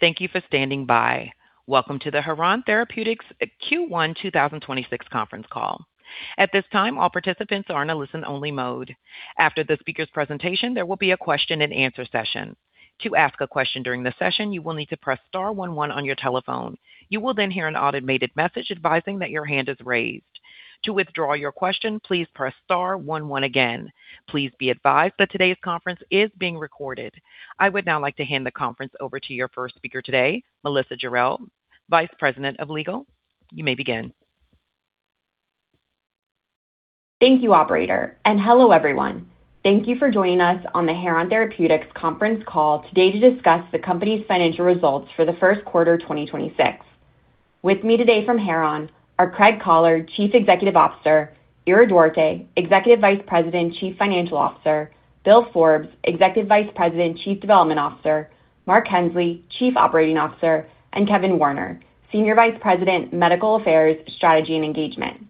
Thank you for standing by. Welcome to the Heron Therapeutics Q1 2026 conference call. I would now like to hand the conference over to your first speaker today, Melissa Jarrell, Vice President of Legal. You may begin. Thank you, operator. Hello, everyone. Thank you for joining us on the Heron Therapeutics conference call today to discuss the company's financial results for the first quarter 2026. With me today from Heron are Craig Collard, Chief Executive Officer, Ira Duarte, Executive Vice President, Chief Financial Officer, Bill Forbes, Executive Vice President, Chief Development Officer, Mark Hensley, Chief Operating Officer, and Kevin Warner, Senior Vice President, Medical Affairs, Strategy, and Engagement.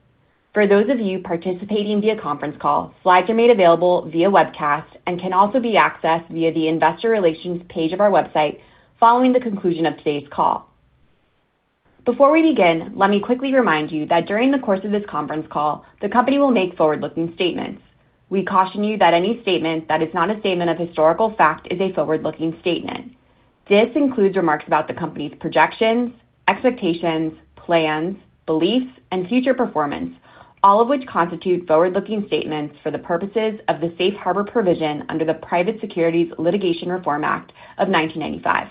For those of you participating via conference call, slides are made available via webcast and can also be accessed via the Investor Relations page of our website following the conclusion of today's call. Before we begin, let me quickly remind you that during the course of this conference call, the company will make forward-looking statements. We caution you that any statement that is not a statement of historical fact is a forward-looking statement. This includes remarks about the company's projections, expectations, plans, beliefs, and future performance, all of which constitute forward-looking statements for the purposes of the safe harbor provision under the Private Securities Litigation Reform Act of 1995.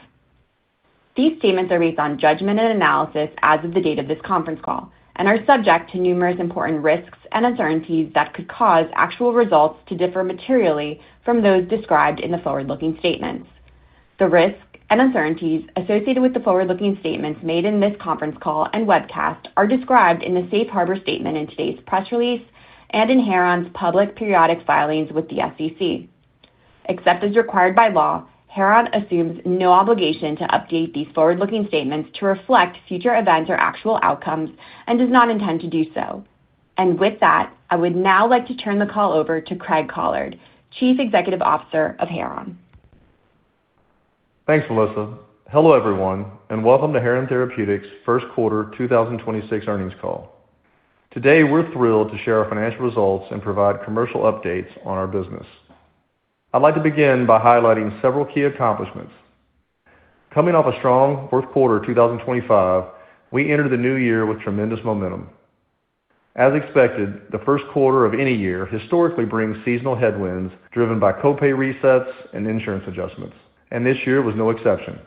These statements are based on judgment and analysis as of the date of this conference call and are subject to numerous important risks and uncertainties that could cause actual results to differ materially from those described in the forward-looking statements. The risks and uncertainties associated with the forward-looking statements made in this conference call and webcast are described in the safe harbor statement in today's press release and in Heron's public periodic filings with the SEC. Except as required by law, Heron assumes no obligation to update these forward-looking statements to reflect future events or actual outcomes and does not intend to do so. With that, I would now like to turn the call over to Craig Collard, Chief Executive Officer of Heron. Thanks, Melissa. Hello, everyone, and welcome to Heron Therapeutics' first quarter 2026 earnings call. Today, we're thrilled to share our financial results and provide commercial updates on our business. I'd like to begin by highlighting several key accomplishments. Coming off a strong fourth quarter 2025, we entered the new year with tremendous momentum. As expected, the first quarter of any year historically brings seasonal headwinds driven by co-pay resets and insurance adjustments, and this year was no exception.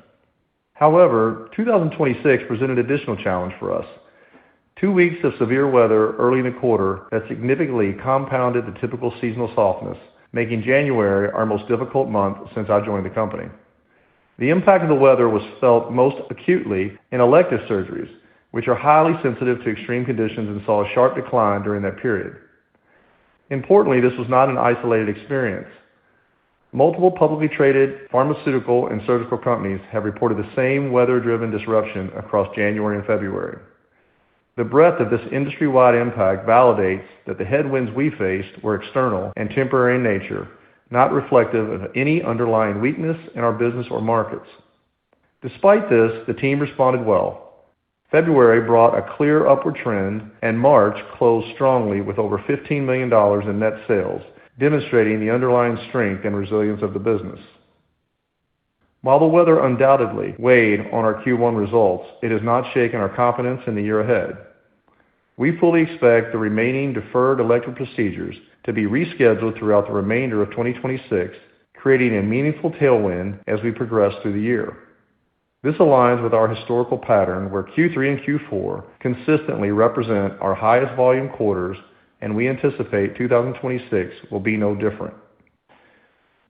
However, 2026 presented additional challenge for us. Two weeks of severe weather early in the quarter that significantly compounded the typical seasonal softness, making January our most difficult month since I joined the company. The impact of the weather was felt most acutely in elective surgeries, which are highly sensitive to extreme conditions and saw a sharp decline during that period. Importantly, this was not an isolated experience. Multiple publicly traded pharmaceutical and surgical companies have reported the same weather-driven disruption across January and February. The breadth of this industry-wide impact validates that the headwinds we faced were external and temporary in nature, not reflective of any underlying weakness in our business or markets. Despite this, the team responded well. February brought a clear upward trend, and March closed strongly with over $15 million in net sales, demonstrating the underlying strength and resilience of the business. While the weather undoubtedly weighed on our Q1 results, it has not shaken our confidence in the year ahead. We fully expect the remaining deferred elective procedures to be rescheduled throughout the remainder of 2026, creating a meaningful tailwind as we progress through the year. This aligns with our historical pattern where Q3 and Q4 consistently represent our highest volume quarters. We anticipate 2026 will be no different.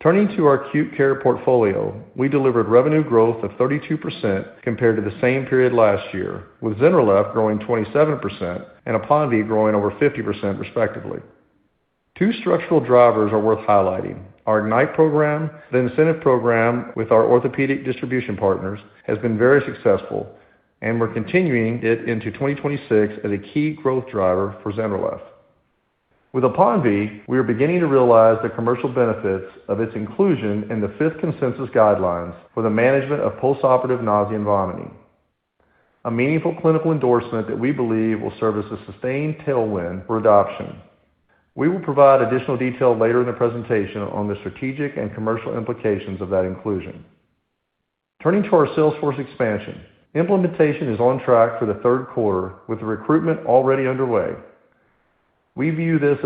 Turning to our acute care portfolio, we delivered revenue growth of 32% compared to the same period last year, with ZYNRELEF growing 27% and APONVIE growing over 50% respectively. Two structural drivers are worth highlighting. Our Ignite program, the incentive program with our orthopedic distribution partners, has been very successful. We're continuing it into 2026 as a key growth driver for ZYNRELEF. With APONVIE, we are beginning to realize the commercial benefits of its inclusion in the fifth consensus guidelines for the management of postoperative nausea and vomiting, a meaningful clinical endorsement that we believe will serve as a sustained tailwind for adoption. We will provide additional detail later in the presentation on the strategic and commercial implications of that inclusion. Turning to our sales force expansion, implementation is on track for the third quarter with the recruitment already underway. We will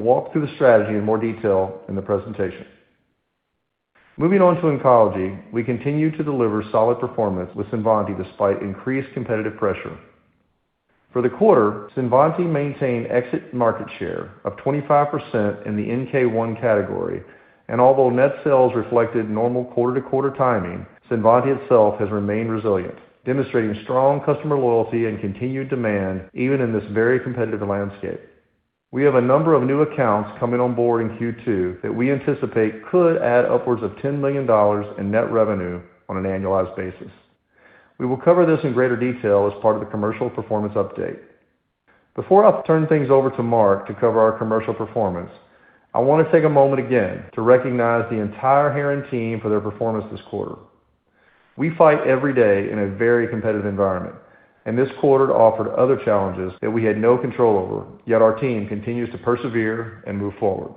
walk through the strategy in more detail in the presentation. Moving on to oncology, we continue to deliver solid performance with CINVANTI despite increased competitive pressure. For the quarter, CINVANTI maintained exit market share of 25% in the NK1 category, and although net sales reflected normal quarter-to-quarter timing, CINVANTI itself has remained resilient, demonstrating strong customer loyalty and continued demand even in this very competitive landscape. We have a number of new accounts coming on board in Q2 that we anticipate could add upwards of $10 million in net revenue on an annualized basis. We will cover this in greater detail as part of the commercial performance update. Before I turn things over to Mark to cover our commercial performance, I want to take a moment again to recognize the entire Heron team for their performance this quarter. We fight every day in a very competitive environment, and this quarter offered other challenges that we had no control over, yet our team continues to persevere and move forward.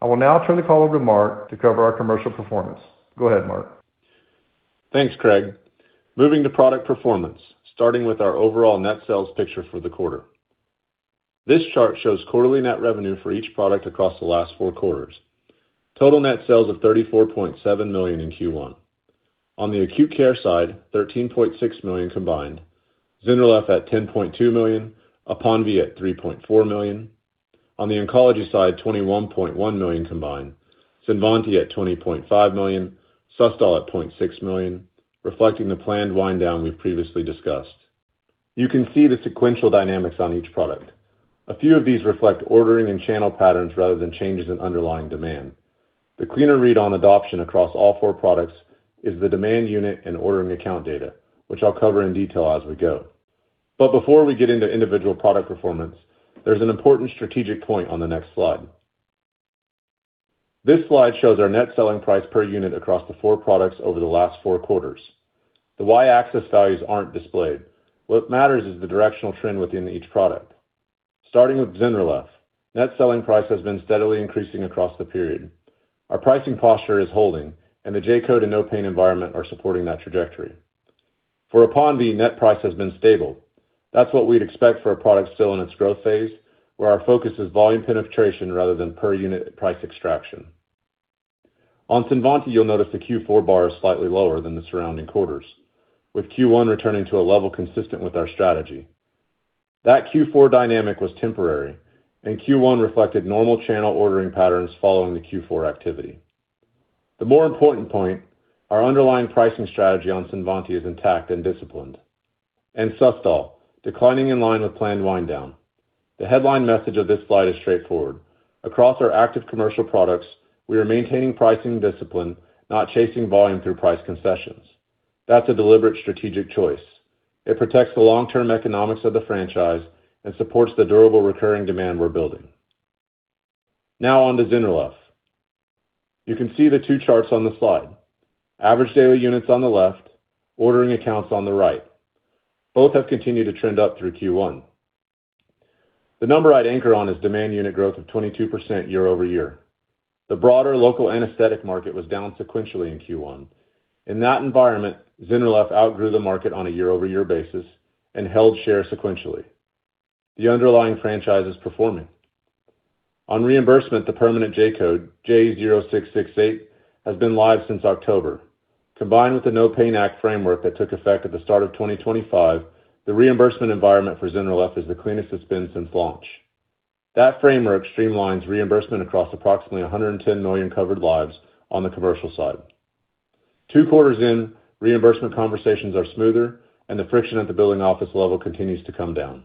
I will now turn the call over to Mark to cover our commercial performance. Go ahead, Mark. Thanks, Craig. Moving to product performance, starting with our overall net sales picture for the quarter. This chart shows quarterly net revenue for each product across the last four quarters. Total net sales of $34.7 million in Q1. On the acute care side, $13.6 million combined. ZYNRELEF at $10.2 million, APONVIE at $3.4 million. On the oncology side, $21.1 million combined. CINVANTI at $20.5 million, SUSTOL at $0.6 million, reflecting the planned wind down we've previously discussed. You can see the sequential dynamics on each product. A few of these reflect ordering and channel patterns rather than changes in underlying demand. The cleaner read on adoption across all four products is the demand unit and ordering account data, which I'll cover in detail as we go. Before we get into individual product performance, there's an important strategic point on the next slide. This slide shows our net selling price per unit across the four products over the last four quarters. The Y-axis values aren't displayed. What matters is the directional trend within each product. Starting with ZYNRELEF, net selling price has been steadily increasing across the period. Our pricing posture is holding, and the J-Code and NOPAIN environment are supporting that trajectory. For APONVIE, net price has been stable. That's what we'd expect for a product still in its growth phase, where our focus is volume penetration rather than per unit price extraction. On CINVANTI, you'll notice the Q4 bar is slightly lower than the surrounding quarters, with Q1 returning to a level consistent with our strategy. That Q4 dynamic was temporary, and Q1 reflected normal channel ordering patterns following the Q4 activity. The more important point, our underlying pricing strategy on CINVANTI is intact and disciplined. SUSTOL, declining in line with planned wind down. The headline message of this slide is straightforward. Across our active commercial products, we are maintaining pricing discipline, not chasing volume through price concessions. That's a deliberate strategic choice. It protects the long-term economics of the franchise and supports the durable recurring demand we're building. Now on to ZYNRELEF. You can see the two charts on the slide. Average daily units on the left, ordering accounts on the right. Both have continued to trend up through Q1. The number I'd anchor on is demand unit growth of 22% year-over-year. The broader local anesthetic market was down sequentially in Q1. In that environment, ZYNRELEF outgrew the market on a year-over-year basis and held share sequentially. The underlying franchise is performing. On reimbursement, the permanent J-Code, J0668, has been live since October. Combined with the NOPAIN Act framework that took effect at the start of 2025, the reimbursement environment for ZYNRELEF is the cleanest it's been since launch. That framework streamlines reimbursement across approximately 110 million covered lives on the commercial side. Two quarters in, reimbursement conversations are smoother, and the friction at the billing office level continues to come down.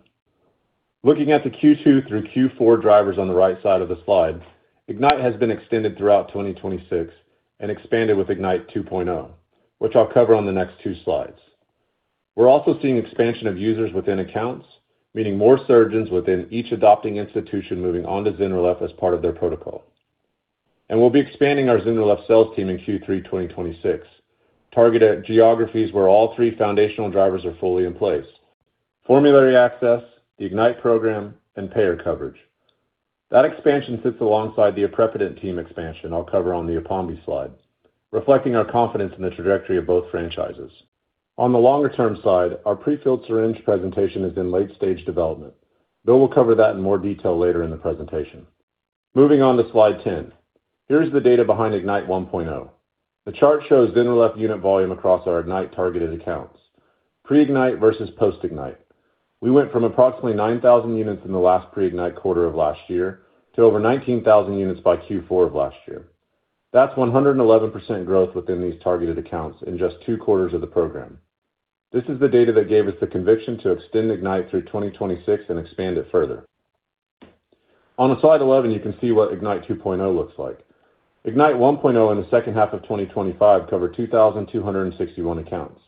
Looking at the Q2 through Q4 drivers on the right side of the slide, Ignite has been extended throughout 2026 and expanded with Ignite 2.0, which I'll cover on the next two slides. We're also seeing expansion of users within accounts, meaning more surgeons within each adopting institution moving on to ZYNRELEF as part of their protocol. We'll be expanding our ZYNRELEF sales team in Q3 2026, targeted geographies where all three foundational drivers are fully in place, formulary access, the Ignite program, and payer coverage. That expansion sits alongside the aprepitant team expansion I'll cover on the APONVIE slides, reflecting our confidence in the trajectory of both franchises. On the longer-term side, our prefilled syringe presentation is in late stage development, though we'll cover that in more detail later in the presentation. Moving on to slide 10. Here's the data behind Ignite 1.0. The chart shows ZYNRELEF unit volume across our Ignite targeted accounts. Pre-Ignite versus post-Ignite. We went from approximately 9,000 units in the last pre-Ignite quarter of last year to over 19,000 units by Q4 of last year. That's 111% growth within these targeted accounts in just two quarters of the program. This is the data that gave us the conviction to extend Ignite through 2026 and expand it further. On slide 11, you can see what Ignite 2.0 looks like. Ignite 1.0 in the second half of 2025 covered 2,261 accounts.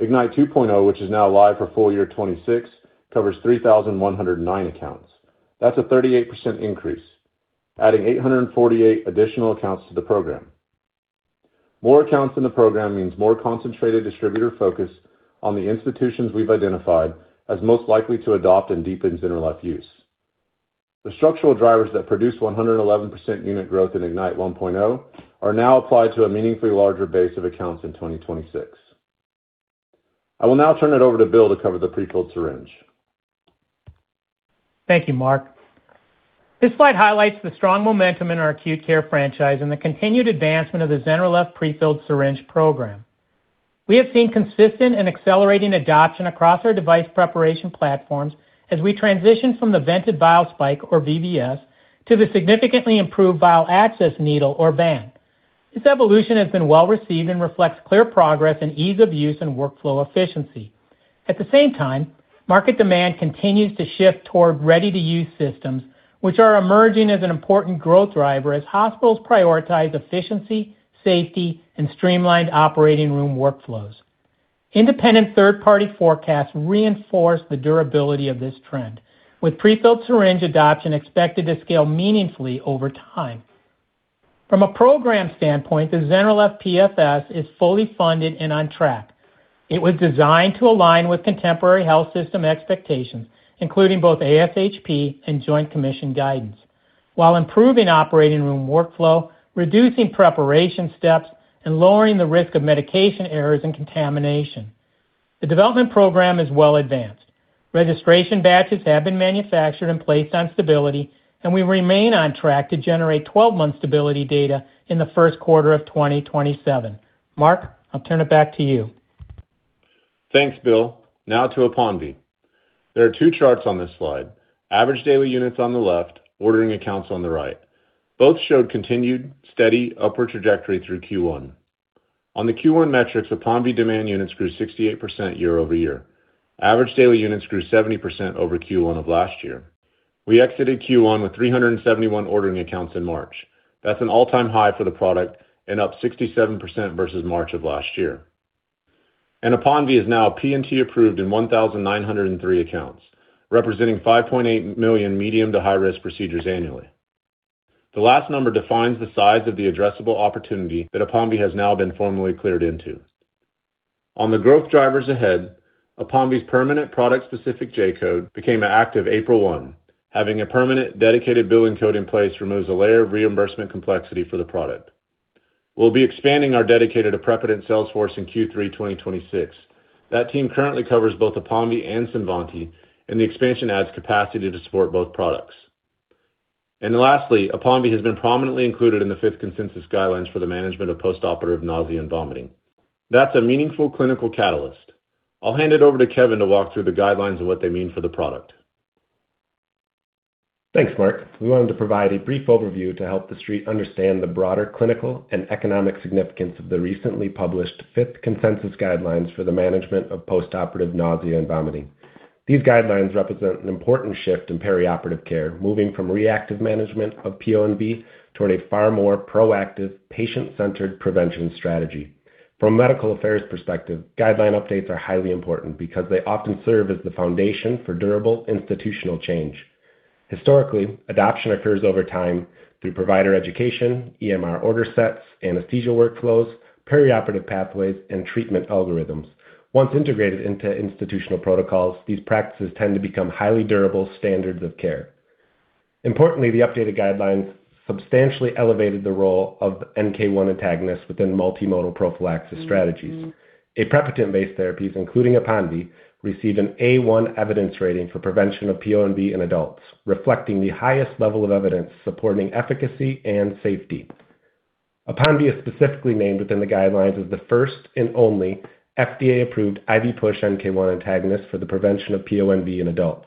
Ignite 2.0, which is now live for full-year 2026, covers 3,109 accounts. That's a 38% increase, adding 848 additional accounts to the program. More accounts in the program means more concentrated distributor focus on the institutions we've identified as most likely to adopt and deepen ZYNRELEF use. The structural drivers that produce 111% unit growth in Ignite 1.0 are now applied to a meaningfully larger base of accounts in 2026. I will now turn it over to Bill to cover the prefilled syringe. Thank you, Mark. This slide highlights the strong momentum in our acute care franchise and the continued advancement of the ZYNRELEF prefilled syringe program. We have seen consistent and accelerating adoption across our device preparation platforms as we transition from the vented vial spike or VVS to the significantly improved Vial Access Needle or VAN. This evolution has been well-received and reflects clear progress in ease of use and workflow efficiency. At the same time, market demand continues to shift toward ready-to-use systems, which are emerging as an important growth driver as hospitals prioritize efficiency, safety, and streamlined operating room workflows. Independent third-party forecasts reinforce the durability of this trend, with prefilled syringe adoption expected to scale meaningfully over time. From a program standpoint, the ZYNRELEF PFS is fully-funded and on track. It was designed to align with contemporary health system expectations, including both ASHP and Joint Commission guidance, while improving operating room workflow, reducing preparation steps, and lowering the risk of medication errors and contamination. The development program is well advanced. Registration batches have been manufactured and placed on stability, and we remain on track to generate 12-month stability data in the first quarter of 2027. Mark, I'll turn it back to you. Thanks, Bill. Now to APONVIE. There are two charts on this slide, average daily units on the left, ordering accounts on the right. Both showed continued steady upward trajectory through Q1. On the Q1 metrics, APONVIE demand units grew 68% year-over-year. Average daily units grew 70% over Q1 of last year. We exited Q1 with 371 ordering accounts in March. That's an all-time high for the product and up 67% versus March of last year. APONVIE is now P&T approved in 1,903 accounts, representing 5.8 million medium to high-risk procedures annually. The last number defines the size of the addressable opportunity that APONVIE has now been formally cleared into. On the growth drivers ahead, APONVIE's permanent product-specific J-Code became active April 1. Having a permanent dedicated billing code in place removes a layer of reimbursement complexity for the product. We'll be expanding our dedicated aprepitant sales force in Q3 2026. That team currently covers both APONVIE and CINVANTI. The expansion adds capacity to support both products. Lastly, APONVIE has been prominently included in the fifth consensus guidelines for the management of postoperative nausea and vomiting. That's a meaningful clinical catalyst. I'll hand it over to Kevin to walk through the guidelines and what they mean for the product. Thanks, Mark. We wanted to provide a brief overview to help the street understand the broader clinical and economic significance of the recently published fifth consensus guidelines for the management of postoperative nausea and vomiting. These guidelines represent an important shift in perioperative care, moving from reactive management of PONV toward a far more proactive, patient-centered prevention strategy. From a medical affairs perspective, guideline updates are highly important because they often serve as the foundation for durable institutional change. Historically, adoption occurs over time through provider education, EMR order sets, anesthesia workflows, perioperative pathways, and treatment algorithms. Once integrated into institutional protocols, these practices tend to become highly durable standards of care. Importantly, the updated guidelines substantially elevated the role of NK1 antagonists within multimodal prophylaxis strategies. Aprepitant-based therapies, including APONVIE, received an A1 evidence rating for prevention of PONV in adults, reflecting the highest level of evidence supporting efficacy and safety. APONVIE is specifically named within the guidelines as the first and only FDA-approved IV push NK1 antagonist for the prevention of PONV in adults.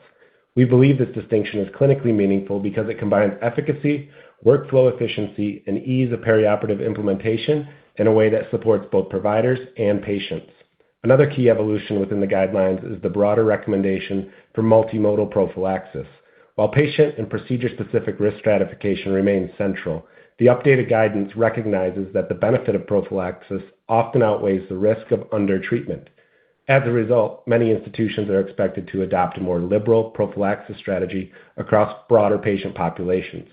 We believe this distinction is clinically meaningful because it combines efficacy, workflow efficiency, and ease of perioperative implementation in a way that supports both providers and patients. Another key evolution within the guidelines is the broader recommendation for multimodal prophylaxis. While patient and procedure-specific risk stratification remains central, the updated guidance recognizes that the benefit of prophylaxis often outweighs the risk of undertreatment. As a result, many institutions are expected to adopt a more liberal prophylaxis strategy across broader patient populations.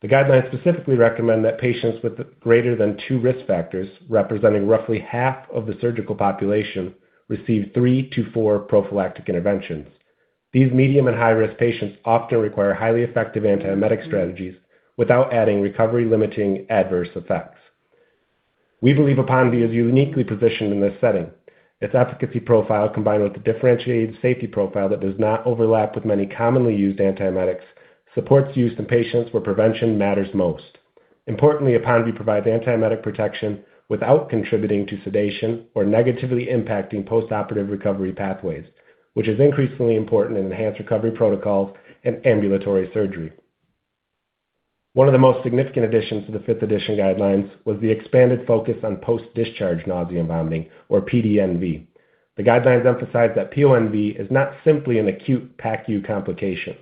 The guidelines specifically recommend that patients with greater than two risk factors, representing roughly half of the surgical population, receive three to four prophylactic interventions. These medium and high-risk patients often require highly effective antiemetic strategies without adding recovery-limiting adverse effects. We believe APONVIE is uniquely positioned in this setting. Its efficacy profile, combined with a differentiated safety profile that does not overlap with many commonly used antiemetics, supports use in patients where prevention matters most. Importantly, APONVIE provides antiemetic protection without contributing to sedation or negatively impacting postoperative recovery pathways, which is increasingly important in enhanced recovery protocols and ambulatory surgery. One of the most significant additions to the fifth edition guidelines was the expanded focus on post-discharge nausea and vomiting, or PDNV. The guidelines emphasize that PONV is not simply an acute PACU complication.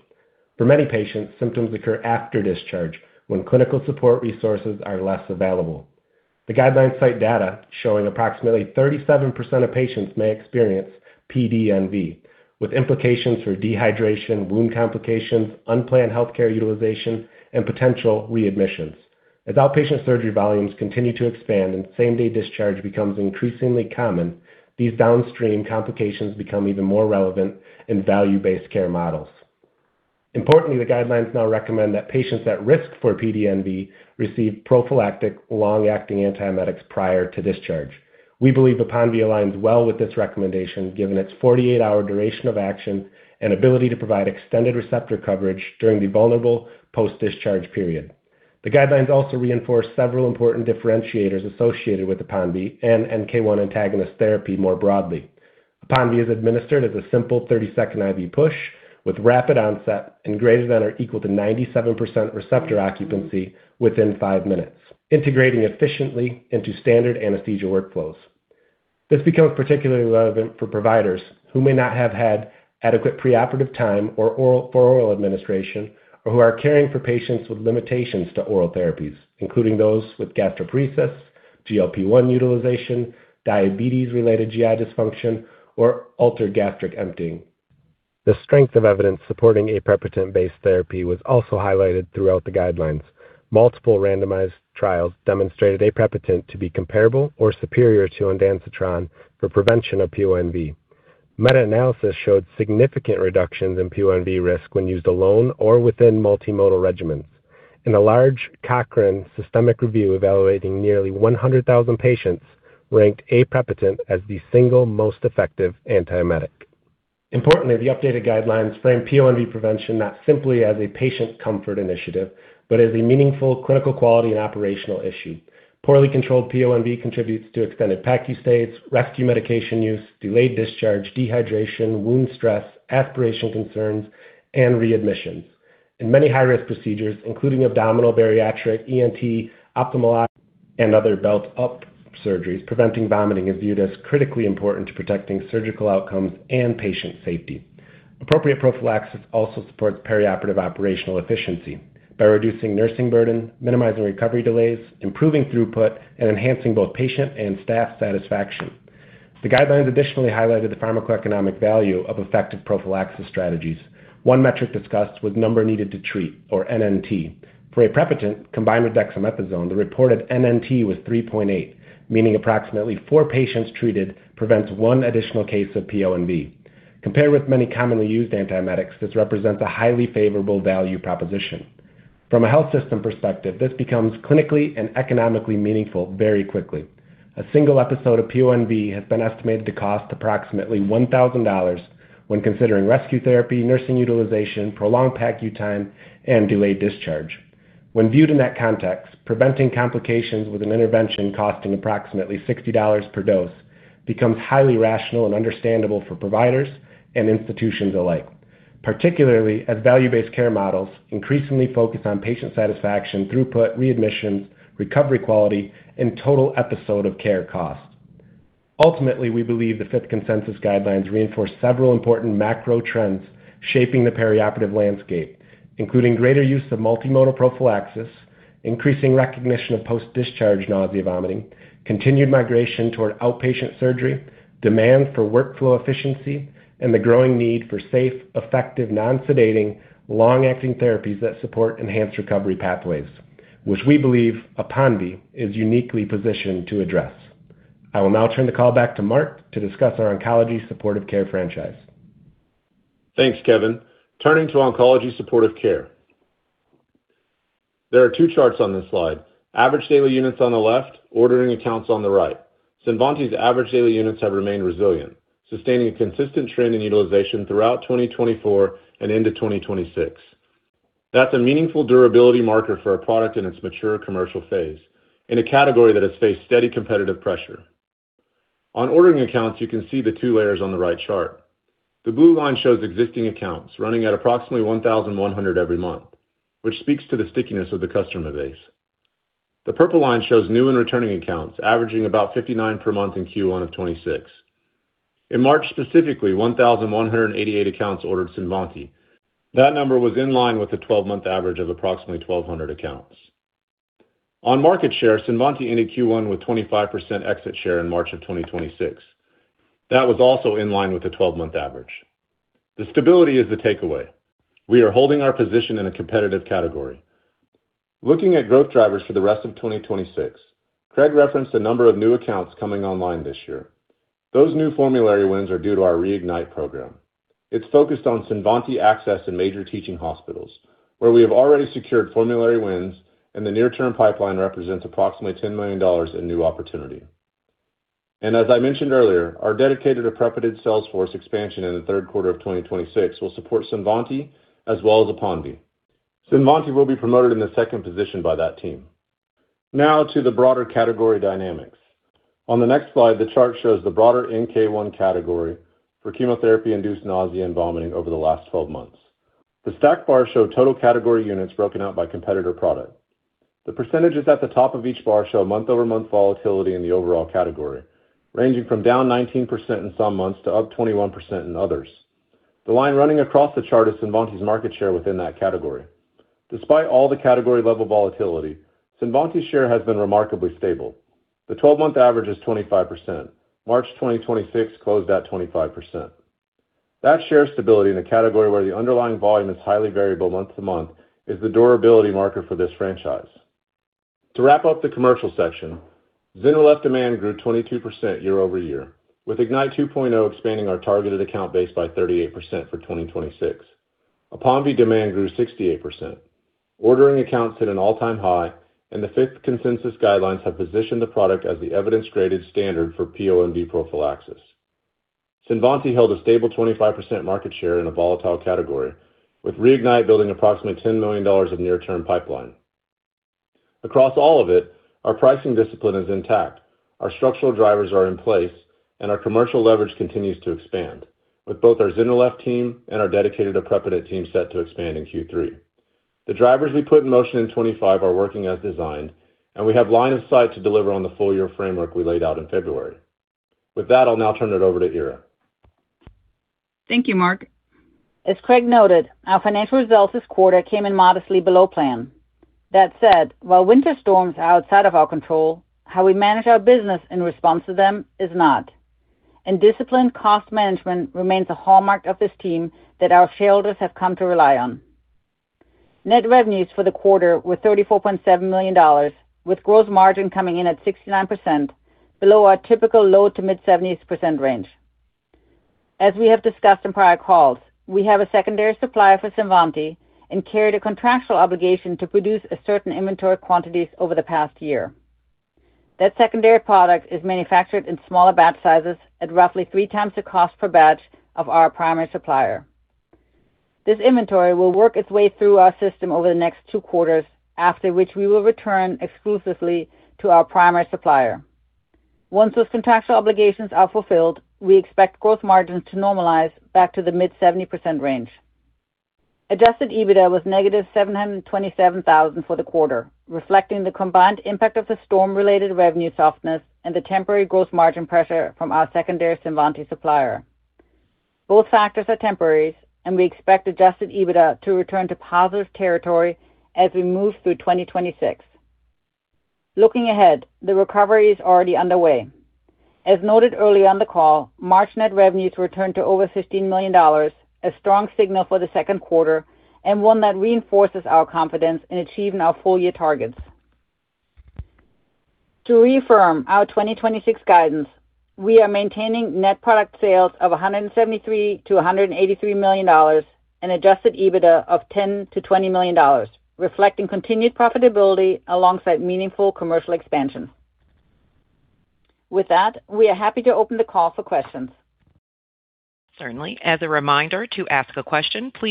For many patients, symptoms occur after discharge when clinical support resources are less available. The guidelines cite data showing approximately 37% of patients may experience PDNV, with implications for dehydration, wound complications, unplanned healthcare utilization, and potential readmissions. As outpatient surgery volumes continue to expand and same-day discharge becomes increasingly common, these downstream complications become even more relevant in value-based care models. Importantly, the guidelines now recommend that patients at risk for PDNV receive prophylactic long-acting antiemetics prior to discharge. We believe APONVIE aligns well with this recommendation, given its 48-hour duration of action and ability to provide extended receptor coverage during the vulnerable post-discharge period. The guidelines also reinforce several important differentiators associated with APONVIE and NK1 antagonist therapy more broadly. APONVIE is administered as a simple 30-second IV push with rapid onset and greater than or equal to 97% receptor occupancy within five minutes, integrating efficiently into standard anesthesia workflows. This becomes particularly relevant for providers who may not have had adequate preoperative time for oral administration or who are caring for patients with limitations to oral therapies, including those with gastroparesis, GLP-1 utilization, diabetes-related GI dysfunction, or altered gastric emptying. The strength of evidence supporting aprepitant-based therapy was also highlighted throughout the guidelines. Multiple randomized trials demonstrated aprepitant to be comparable or superior to ondansetron for prevention of PONV. Meta-analysis showed significant reductions in PONV risk when used alone or within multimodal regimens. In a large Cochrane systematic review evaluating nearly 100,000 patients, ranked aprepitant as the single most effective antiemetic. Importantly, the updated guidelines frame PONV prevention not simply as a patient comfort initiative, but as a meaningful clinical quality and operational issue. Poorly controlled PONV contributes to extended PACU stays, rescue medication use, delayed discharge, dehydration, wound stress, aspiration concerns, and readmissions. In many high-risk procedures, including abdominal, bariatric, ENT, ophthalmology, and other belt up surgeries, preventing vomiting is viewed as critically important to protecting surgical outcomes and patient safety. Appropriate prophylaxis also supports perioperative operational efficiency by reducing nursing burden, minimizing recovery delays, improving throughput, and enhancing both patient and staff satisfaction. The guidelines additionally highlighted the pharmacoeconomic value of effective prophylaxis strategies. One metric discussed was number needed to treat, or NNT. For aprepitant combined with dexamethasone, the reported NNT was 3.8, meaning approximately four patients treated prevents one additional case of PONV. Compared with many commonly used antiemetics, this represents a highly favorable value proposition. From a health system perspective, this becomes clinically and economically meaningful very quickly. A single episode of PONV has been estimated to cost approximately $1,000 when considering rescue therapy, nursing utilization, prolonged PACU time, and delayed discharge. When viewed in that context, preventing complications with an intervention costing approximately $60 per dose becomes highly rational and understandable for providers and institutions alike, particularly as value-based care models increasingly focus on patient satisfaction, throughput, readmissions, recovery quality, and total episode of care cost. Ultimately, we believe the Fifth Consensus guidelines reinforce several important macro trends shaping the perioperative landscape, including greater use of multimodal prophylaxis, increasing recognition of post-discharge nausea and vomiting, continued migration toward outpatient surgery, demand for workflow efficiency, and the growing need for safe, effective, non-sedating, long-acting therapies that support enhanced recovery pathways, which we believe APONVIE is uniquely positioned to address. I will now turn the call back to Mark to discuss our oncology supportive care franchise. Thanks, Kevin. Turning to oncology supportive care. There are two charts on this slide, average daily units on the left, ordering accounts on the right. CINVANTI's average daily units have remained resilient, sustaining a consistent trend in utilization throughout 2024 and into 2026. That's a meaningful durability marker for a product in its mature commercial phase in a category that has faced steady competitive pressure. On ordering accounts, you can see the two layers on the right chart. The blue line shows existing accounts running at approximately 1,100 every month, which speaks to the stickiness of the customer base. The purple line shows new and returning accounts averaging about 59 per month in Q1 of 2026. In March specifically, 1,188 accounts ordered CINVANTI. That number was in line with the 12-month average of approximately 1,200 accounts. On market share, CINVANTI ended Q1 with 25% exit share in March of 2026. That was also in line with the 12-month average. The stability is the takeaway. We are holding our position in a competitive category. Looking at growth drivers for the rest of 2026, Craig referenced a number of new accounts coming online this year. Those new formulary wins are due to our REIGNITE program. It's focused on CINVANTI access in major teaching hospitals, where we have already secured formulary wins and the near-term pipeline represents approximately $10 million in new opportunity. As I mentioned earlier, our dedicated aprepitant sales force expansion in the third quarter of 2026 will support CINVANTI as well as APONVIE. CINVANTI will be promoted in the second position by that team. Now to the broader category dynamics. On the next slide, the chart shows the broader NK1 category for chemotherapy-induced nausea and vomiting over the last 12 months. The stacked bars show total category units broken out by competitor product. The percentages at the top of each bar show month-over-month volatility in the overall category, ranging from down 19% in some months to up 21% in others. The line running across the chart is CINVANTI's market share within that category. Despite all the category-level volatility, CINVANTI's share has been remarkably stable. The 12-month average is 25%. March 2026 closed at 25%. That share stability in a category where the underlying volume is highly variable month to month is the durability marker for this franchise. To wrap up the commercial section, ZYNRELEF demand grew 22% year-over-year, with Ignite 2.0 expanding our targeted account base by 38% for 2026. APONVIE demand grew 68%. Ordering accounts hit an all-time high. The fifth consensus guidelines have positioned the product as the evidence-graded standard for PONV prophylaxis. CINVANTI held a stable 25% market share in a volatile category, with REIGNITE building approximately $10 million of near-term pipeline. Across all of it, our pricing discipline is intact, our structural drivers are in place, and our commercial leverage continues to expand with both our ZYNRELEF team and our dedicated aprepitant team set to expand in Q3. The drivers we put in motion in 2025 are working as designed. We have line of sight to deliver on the full-year framework we laid out in February. With that, I'll now turn it over to Ira. Thank you, Mark. As Craig noted, our financial results this quarter came in modestly below plan. That said, while winter storms are outside of our control, how we manage our business in response to them is not. Disciplined cost management remains a hallmark of this team that our shareholders have come to rely on. Net revenues for the quarter were $34.7 million, with gross margin coming in at 69%, below our typical low to mid-70% range. As we have discussed in prior calls, we have a secondary supplier for CINVANTI and carried a contractual obligation to produce a certain inventory quantities over the past year. That secondary product is manufactured in smaller batch sizes at roughly three times the cost per batch of our primary supplier. This inventory will work its way through our system over the next two quarters, after which we will return exclusively to our primary supplier. Once those contractual obligations are fulfilled, we expect gross margins to normalize back to the mid-70% range. Adjusted EBITDA was -$727,000 for the quarter, reflecting the combined impact of the storm-related revenue softness and the temporary gross margin pressure from our secondary CINVANTI supplier. Both factors are temporary, and we expect adjusted EBITDA to return to positive territory as we move through 2026. Looking ahead, the recovery is already underway. As noted earlier on the call, March net revenues returned to over $15 million, a strong signal for the second quarter and one that reinforces our confidence in achieving our full-year targets. To reaffirm our 2026 guidance, we are maintaining net product sales of $173 million-$183 million and adjusted EBITDA of $10 million-$20 million, reflecting continued profitability alongside meaningful commercial expansion. With that, we are happy to open the call for questions. Our first question will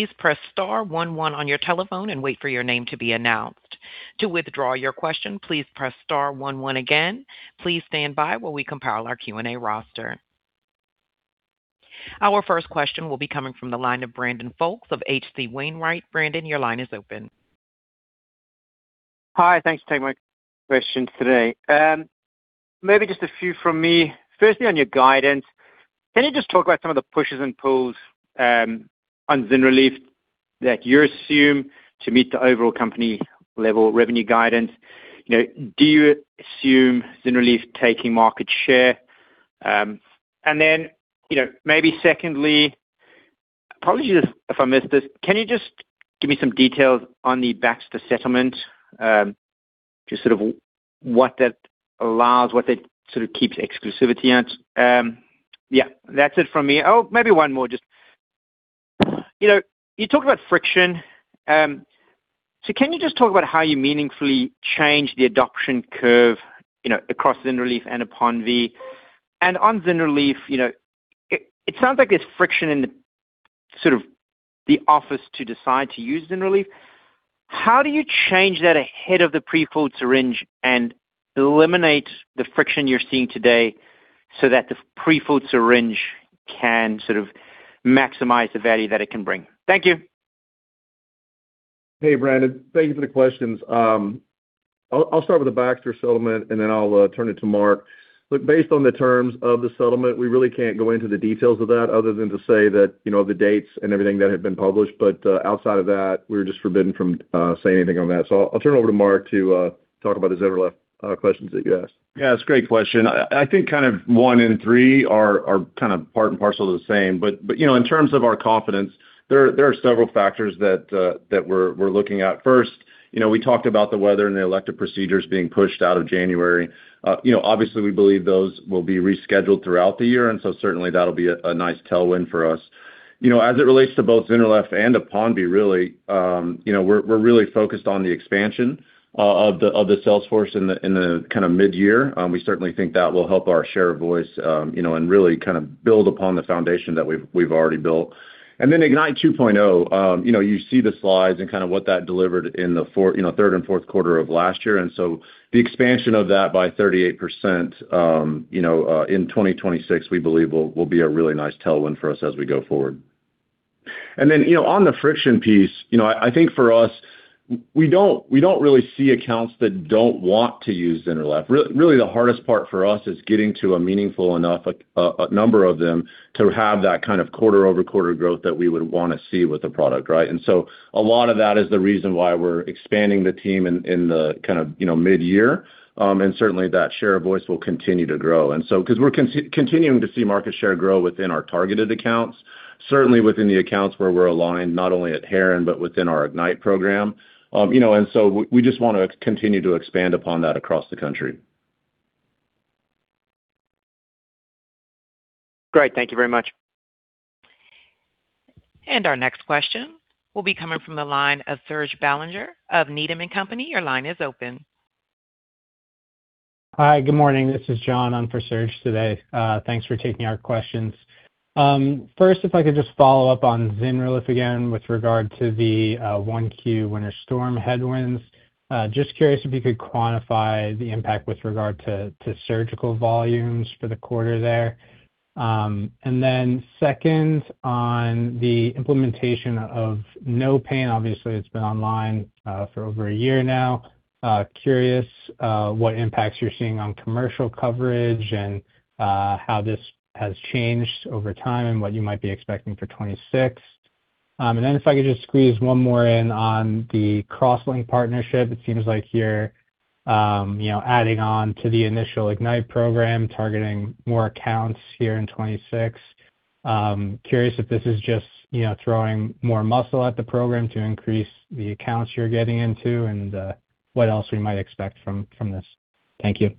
be coming from the line of Brandon Folkes of H.C. Wainwright. Brandon, your line is open. Hi. Thanks for taking my questions today. Maybe just a few from me. Firstly, on your guidance, can you just talk about some of the pushes and pulls on ZYNRELEF that you assume to meet the overall company level revenue guidance? You know, do you assume ZYNRELEF taking market share? You know, maybe secondly, apologies if I missed this, can you just give me some details on the Baxter settlement, just sort of what that allows, what that sort of keeps exclusivity at? Yeah, that's it from me. Maybe one more, you know, you talk about friction. Can you just talk about how you meaningfully change the adoption curve, you know, across ZYNRELEF and APONVIE? On ZYNRELEF, you know, it sounds like there's friction in the sort of the office to decide to use ZYNRELEF. How do you change that ahead of the prefilled syringe and eliminate the friction you're seeing today so that the prefilled syringe can sort of maximize the value that it can bring? Thank you. Hey, Brandon. Thank you for the questions. I'll start with the Baxter settlement, and then I'll turn it to Mark. Look, based on the terms of the settlement, we really can't go into the details of that other than to say that, you know, the dates and everything that had been published. Outside of that, we're just forbidden from saying anything on that. I'll turn it over to Mark to talk about the ZYNRELEF questions that you asked. Yeah, it's a great question. I think kind of one and three are kind of part and parcel to the same. You know, in terms of our confidence, there are several factors that we're looking at. First, you know, we talked about the weather and the elective procedures being pushed out of January. You know, obviously we believe those will be rescheduled throughout the year, certainly that'll be a nice tailwind for us. You know, as it relates to both ZYNRELEF and APONVIE really, you know, we're really focused on the expansion of the sales force in the kind of mid-year. We certainly think that will help our share of voice, you know, really kind of build upon the foundation that we've already built. Ignite 2.0, you know, you see the slides and kind of what that delivered in the four, you know, third and fourth quarter of last year. The expansion of that by 38%, you know, in 2026 we believe will be a really nice tailwind for us as we go forward. On the friction piece, you know, I think for us, we don't really see accounts that don't want to use ZYNRELEF. Really, the hardest part for us is getting to a meaningful enough number of them to have that kind of quarter-over-quarter growth that we would wanna see with the product, right? A lot of that is the reason why we're expanding the team in the kind of, you know, mid-year. Certainly that share of voice will continue to grow. Because we're continuing to see market share grow within our targeted accounts, certainly within the accounts where we're aligned, not only at Heron, but within our Ignite program. You know, we just wanna continue to expand upon that across the country. Great. Thank you very much. Our next question will be coming from the line of Serge Belanger of Needham & Company. Your line is open. Hi, good morning. This is John on for Serge today. Thanks for taking our questions. First, if I could just follow up on ZYNRELEF again with regard to the 1Q winter storm headwinds. Just curious if you could quantify the impact with regard to surgical volumes for the quarter there. Second, on the implementation of NOPAIN, obviously, it's been online for over a year now. Curious, what impacts you're seeing on commercial coverage and how this has changed over time and what you might be expecting for 2026. If I could just squeeze one more in on the CrossLink partnership. It seems like you're, you know, adding on to the initial Ignite program, targeting more accounts here in 2026. Curious if this is just, you know, throwing more muscle at the program to increase the accounts you're getting into and what else we might expect from this. Thank you.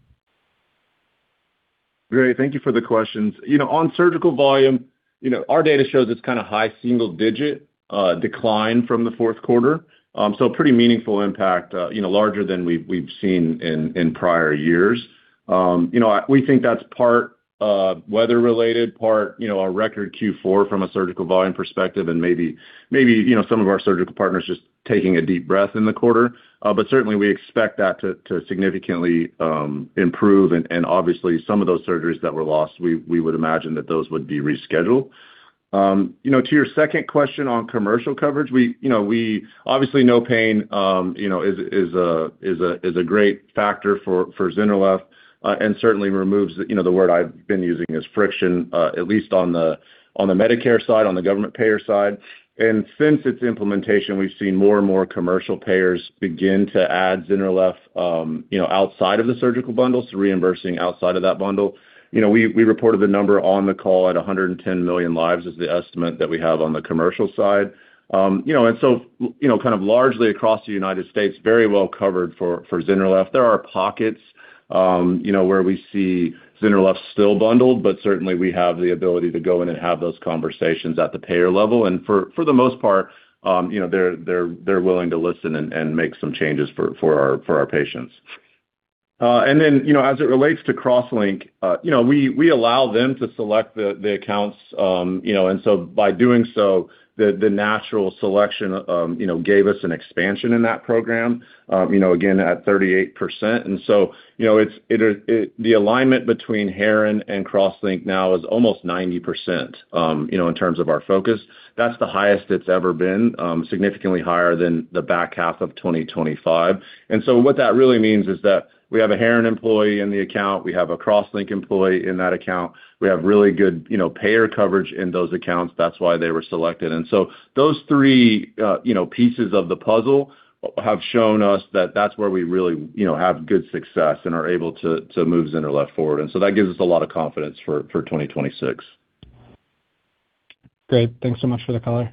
Great. Thank you for the questions. You know, on surgical volume, you know, our data shows it's kinda high single digit decline from the fourth quarter. Pretty meaningful impact, you know, larger than we've seen in prior years. You know, we think that's part weather-related, part, you know, a record Q4 from a surgical volume perspective and maybe, you know, some of our surgical partners just taking a deep breath in the quarter. Certainly we expect that to significantly improve and obviously some of those surgeries that were lost, we would imagine that those would be rescheduled. You know, to your second question on commercial coverage, we, you know, obviously, NOPAIN Act, you know, is a great factor for ZYNRELEF, and certainly removes, you know, the word I've been using is friction, at least on the Medicare side, on the government payer side. Since its implementation, we've seen more and more commercial payers begin to add ZYNRELEF, you know, outside of the surgical bundles, reimbursing outside of that bundle. You know, we reported the number on the call at 110 million lives is the estimate that we have on the commercial side. You know, you know, kind of largely across the U.S., very well covered for ZYNRELEF. There are pockets, you know, where we see ZYNRELEF still bundled. Certainly we have the ability to go in and have those conversations at the payer level. For the most part, you know, they're willing to listen and make some changes for our patients. You know, as it relates to CrossLink, you know, we allow them to select the accounts, you know. By doing so, the natural selection, you know, gave us an expansion in that program, you know, again at 38%. You know, the alignment between Heron and CrossLink now is almost 90%, you know, in terms of our focus. That's the highest it's ever been, significantly higher than the back half of 2025. What that really means is that we have a Heron employee in the account, we have a CrossLink employee in that account. We have really good, you know, payer coverage in those accounts. That's why they were selected. Those three, you know, pieces of the puzzle have shown us that that's where we really, you know, have good success and are able to move ZYNRELEF forward. That gives us a lot of confidence for 2026. Great. Thanks so much for the color.